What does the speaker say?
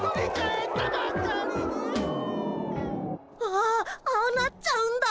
ああああなっちゃうんだ。